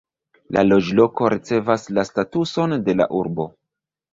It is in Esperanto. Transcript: La loĝloko ricevas la statuson de la urbo.